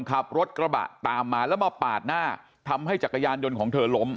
ขับรถกระบะตามมาแล้วมาปาดหน้าทำให้จักรยานยนต์ของเธอล้ม